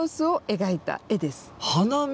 花見。